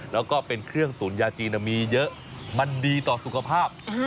แล้วก็เป็นเครื่องตุ๋นยาจีนมีเยอะมันดีต่อสุขภาพ